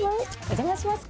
お邪魔します。